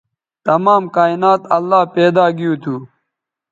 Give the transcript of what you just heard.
تمام کائنات اللہ پیدا گیو تھو